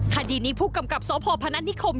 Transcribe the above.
คดีนี้ผู้กำกับสพพนัทนิคม